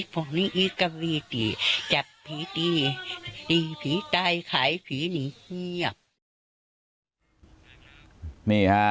พวกนี้อีกวีติจับผีดีดีผีตายขายผีหนีเหยียบ